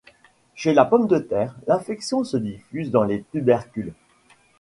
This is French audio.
Chez la pomme de terre, l'infection se diffuse dans les tubercules.